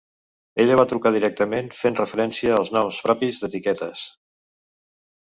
Ella va trucar directament fent referència als noms propis d'"etiquetes".